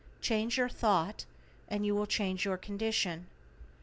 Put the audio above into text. Change your thought and you will change your condition.